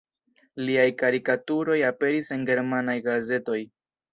Liaj karikaturoj aperis en germanaj gazetoj.